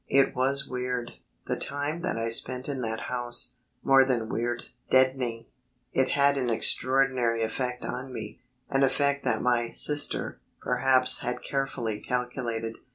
It was weird, the time that I spent in that house more than weird deadening. It had an extraordinary effect on me an effect that my "sister," perhaps, had carefully calculated.